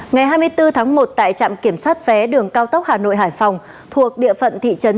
ngày hai mươi bốn tháng một tại trạm kiểm soát vé đường cao tốc hà nội hải phòng thuộc địa phận thị trấn